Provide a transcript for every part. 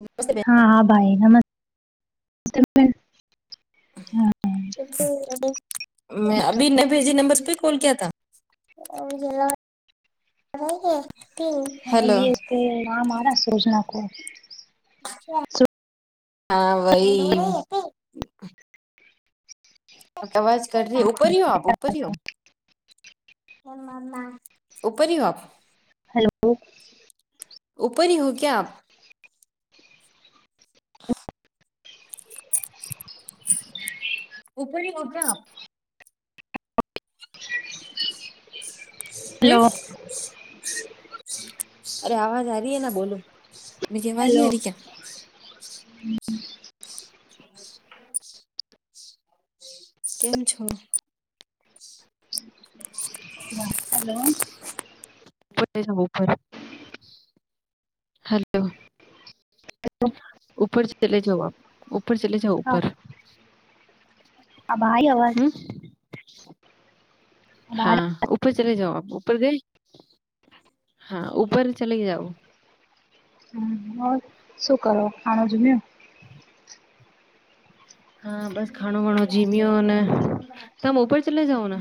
નમસ્તે. હા, હા, ભાઈ નમસ્તે. હા મે અભી ન ભેજી નંબર્સ પે [unintelligible] કોલ કે હતા. હા, એ નામ આના સોજના કો. હા, વહી. ક [unintelligible] [unintelligible] [unintelligible] [unintelligible] હાલો. [unintelligible] [unintelligible] [unintelligible] હમ હેલો બોલો [unintelligible] [unintelligible] [unintelligible] કેમ છો? [unintelligible] હલો. [unintelligible] હાલો. [unintelligible] હા [unintelligible] [unintelligible] આ બહાર હા. [unintelligible] હમ, શું કરો? [unintelligible] હા, બસ ખાણો વાણો જીમીયો ને તમે.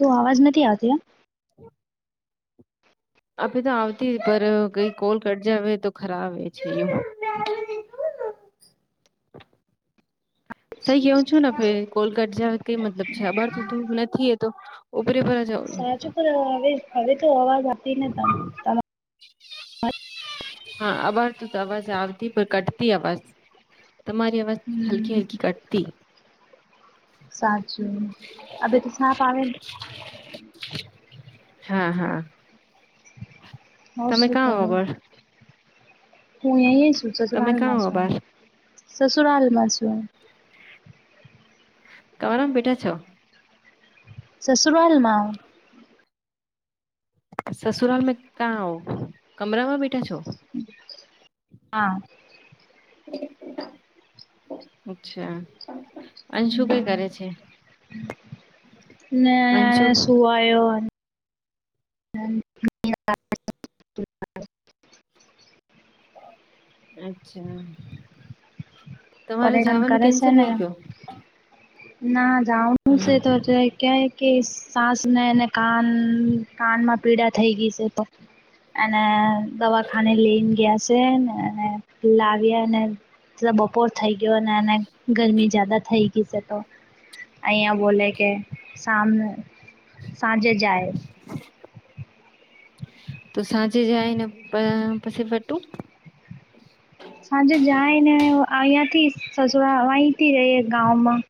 શું અવાજ નથી આવતો? એમ. [unintelligible] સઈ કેવું છું ને [unintelligible] [unintelligible] સાચું [unintelligible] હા, આવતી પણ કટતી અવાજ. [inaudible] તમારી અવાજ હલકી હમ હલકી કટતી. [inaudible] સાચું છે. હા હા. ને ઓર તમે શું કા આવો કરો પર હું એ છું તમે સસુરાલ કાં મા હો છું અબાર સસુરાલ માસું [unintelligible] બેઠા છો સસુરોલ માં સસુરાલ મે કાં [inaudible] કમરામાં બેઠા છો હા. [inaudible] અચ્છા અનશું ભાઈ હમ ઘરે છે. ને અંશુ આ સુુવાયો અચ્છા તમારે પરેશાન જાવાનું કરે છે કેન્સલ ને થઈ ગયો ના જાઉ છે તો ક્યા કે સાસને ને કાન કાનમાં પીડા થઈ ગઈ છે તો એને દવાખાને લઈને ગયા છેને અને લાવ્યાને તો બપોર થઈ ગયો અને અને ગરમી જાદા થઈ ગઈ છે તો અહીંયા બોલે કે શમુ સાંજે જાયે તો સાંજે જાયને પછી ફટું સાંજે જાય ને અહીંયાથી સસુરાલ અહીંથી જઈએ ગાવમાં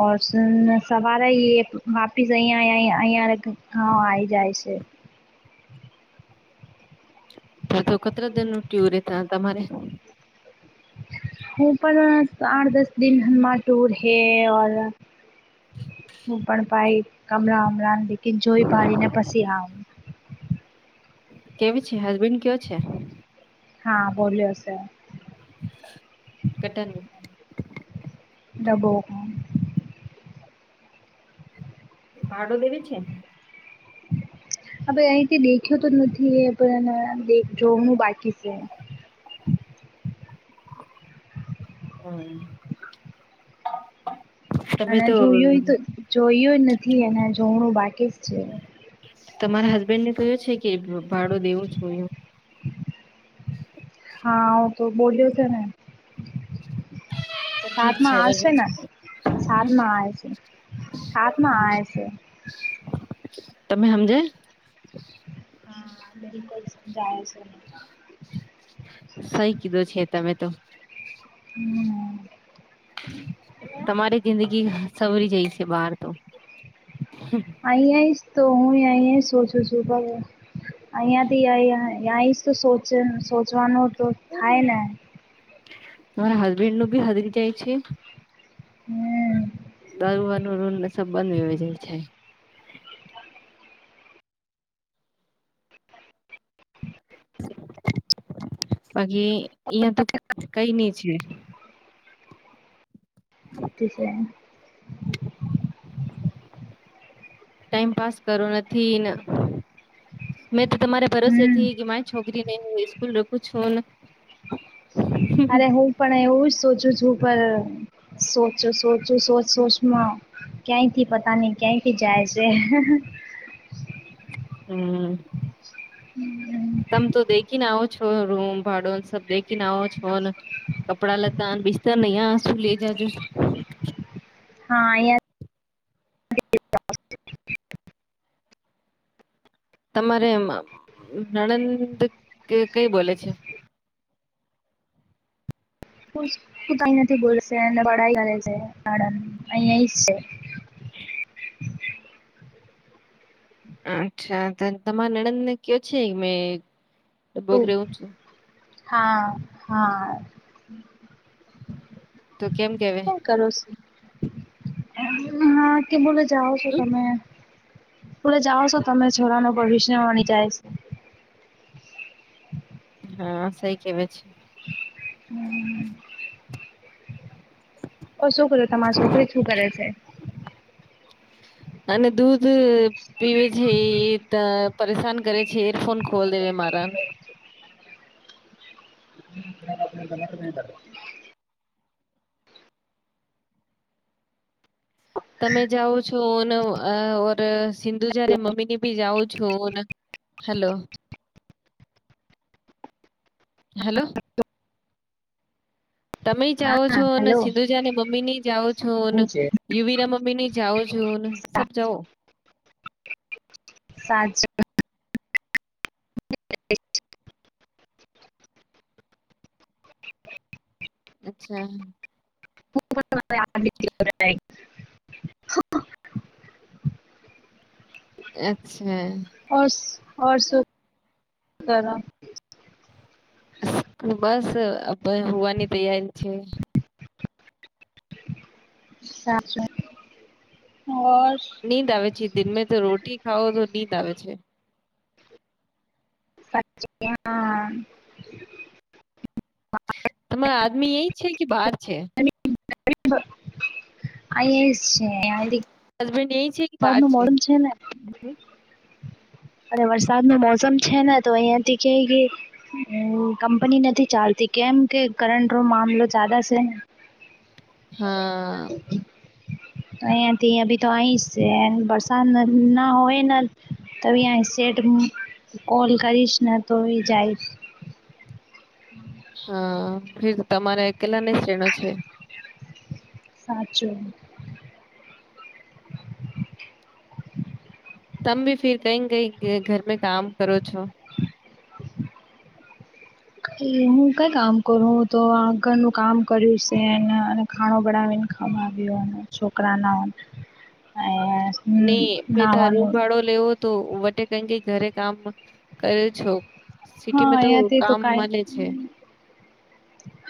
ઓડસન સવારે વાપી અહીંયા અહીંયા હા આઈ જાય છે. [unintelligible] ઉપર આઠ દસ દિન હર ટૂર હૈ હું પણ ભાઈ કમળ અમળને લેકીન જોઈ ભાલી ને પછી આવ કેવી છે હસબેન્ડ કયો છે હા બોલ્યો સર કેટનું ડબો ભાડો દેવી છે. હવે અહીથી દેખ્યો તો નથી એ પણ જોવાનું બાકી છે. હમ્મ. [inaudible] અને જોયું તો જોયયો જ નથી અને જોણું બાકી જ છે. તમારા હસબેન્ડ ને જોયો છે કે રૂપાડો દેવો છું હા તો બોલ્યો છે ને [inaudible] ઠીક છે સાતમાં આવશે ને સાત માં આવે છે સાત માં આવે છે. તમે હમજે હા બિલકુલ જાય છે. સહી કીધું છે તમે તો [inaudible] તમારી જિંદગી સવરી જાય છે બહાર તો હમ્મ. આઈ આઈ તો હું આઈ આ સોચુ છું હો અહિયાંથી અહીંયા સોચ સોચવાનું તો થાય ને મારા હસબેન્ડ નું બી હરી જાય છે. હમ્મ. દરવાર નુ રૂલને સબ બંધ હો જાય છે બાકી અહિયાં તો કઈ ની છે. [inaudible] તે છે. [inaudible] ટાઈમ પાસ કરો નથીન મે તમારે ભરોસેથી હમ કે મારી છોકરીને હમ્મ સ્કૂલ રખું છુંને અરે હું પણ એવું જ સોચું છું, પણ સોચું સોચું સોચ સોચમાં ક્યાંથી પતા નહી ક્યાંથી જાય છે. હમ્મ. તમે તો દેખી ના આવ છો રૂમ ભાડુંન સબ દેખી ન આવ છો ન. કપડા લતા અને બિસ્તર નહીયા શું લે જજો. હા અહ્યાથી [inaudible] તમારે નણંદ ક કઈ બોલે છે. કઈ નથી ભૂલ ને પડાઇ કરે છે નણંદ અહીયા જ છે. અચ્છા ત તમારે નણંદને કયો છે મે શું? હા-હા. તો કેમ કેવે. કરો છ હા કે બોલે જાઓ છો તમે. બોલે જાઓ છો તમે છોરાનું ભવિષ્ય વણી જાય છે. હા સઈ કેવે છે. હમ્મ. ઓર શું કરો તમારી છોકરી શું કરે છે. અને દૂધ પીવે છે એ ત પરેશાન કરે છે એયરફોન ખોલ દેવે મહારા. [inaudible] તમે જાઓ છો ને ઓર સિંધુ જારે મમ્મી ની બી જાઓ છોન. Hello hello. તમે જાઓ હા છો ને હલો સિંધુજાને મમ્મી ની જાઓ છો ન. હું છે યુવી ના મમ્મી ની જાઓ છોન સબ જાઓ. સાજ [inaudible] અચ્છા. [inaudible] અચ્છા. ઓરસ ઓરસ શું કરો. બસ અબે હુંવાની તૈયારી છે. સાજ ઓર. નીંદ આવે છે દિનમે તો રોટી ખાઓ તો નીંદ આવે છે. સાચું કિયાન. તમાર આદમી અઈ છે કે બહાર છે. અએજ છે. હસબેન્ડ એ છે કે વરસાદનું બાર છે. મોસમ અને વરસાદ નો મોસમ છે ને તો અહિયાંથી કે ઘે હમ્મ કંપની નથી ચાલતી કેમ કે કરંટ રો મામલો ચાલે છે. હા. અહીયાથી અભી તો આઈ સે વરસાદ ન ના હોય ન તો અયા સેટ કોલ કરીશ ને તો એ જાય. હા ફિર તમારે અકેલા ને જ રેનો છે. સાચું. તમ ભી ફીર કઇ કઈ ઘ ઘરમે કામ કરો છો. એ હું કઈ કામ કરું હું તો ઘરનું કામ કર્યું છેન અ ખાણો બનાવીને ખામાંવ્યો અને છોકરાના ને પેધા નાવાનું રૂમવાળો લેવો તો વટે કઈ કઈ ઘરે કામ કરે છો. હા સિટીમાં તો અહીંયાથી કામ કાંઈ મલે છે.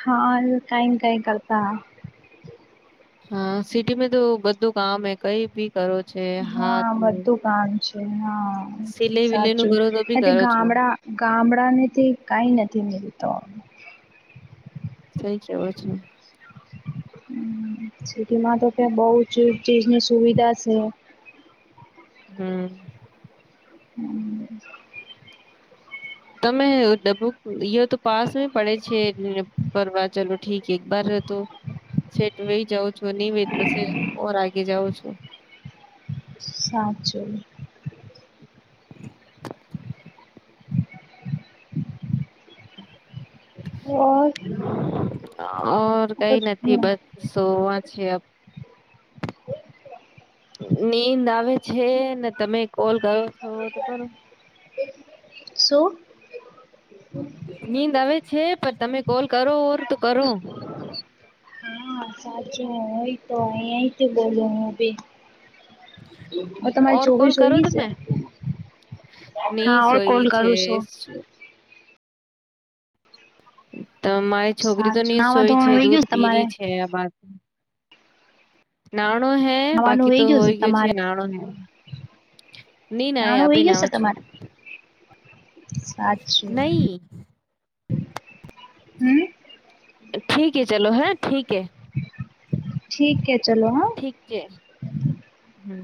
હા કાઈ ન કાઈ કરતા હા સિટીમાં તો બધું કામ હ કઈ ભી કરો છે હાથ હા નું બધું કામ છે હા સિલાઈ વિલાઈ નું સાચું કરો તો બી અતે કરો છો ગામડા ગામડા નીથી કાઈ નથી મેંલતો થઈ કેવો છો. સિટીમાં તો તે બહુજ ચીજની સુવિધા છે. હમ્મ હમ્મ તમે ડબો તો [unintelligible] પાસ પડે છે પરવા ચલો ઠીક એકબાર તો સેટ વહી જાવ છો નિવેત પછી ઓર આગે જાઉ છુ. સાચો ઓર ઓર કઈ નથી બસ સોવા છે. નીંદ આવે છે ને તમે કોલ કરો છો, તો કરો એ શું નીંદ આવે છે પણ તમે કોલ કરો ઓર તો કરો હા સાચૂ હોય તો અઇયાથી બોલો હું ભી હ તમારી ઓર કોલ છોકરી કરો જોઈ છે. તમે ની હા ઓર સોઈ કોલ છે કરુ છુ. તો મારી છોકરી તો સાચું ની નાવા સોય છે ધોવાનું વહી ગયું દૂધ તમારે પીરી છે અમાર નાણો હે નાવાનું બાકી તો વહી ગયું હોય ગ્યો છે, તમારે નાણો હે ની ના એ નાણું હોય અભી નાવ ગશે છું તમારા સાચી નહી હમ ઠીક હ ચલો હે ઠીકે ઠીક હે ચલો હા. ઠીક છે હમ